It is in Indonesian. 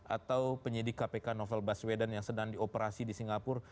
atau penyidik kpk novel baswedan yang sedang dioperasi di singapura